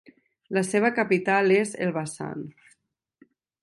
La seva capital és Elbasan.